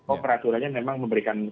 oh peraturannya memang memberikan